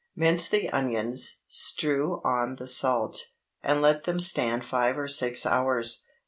Mince the onions, strew on the salt, and let them stand five or six hours.